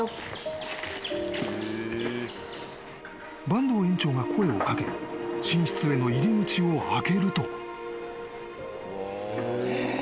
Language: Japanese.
［坂東園長が声を掛け寝室への入り口を開けると］